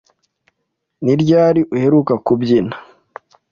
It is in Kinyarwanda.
Ni ryari uheruka kubyina?